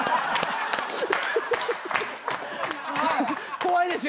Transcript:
怖いですよ。